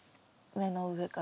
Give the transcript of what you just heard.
芽の上から。